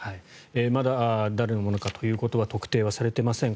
まだ誰のものかというのは特定はされていません。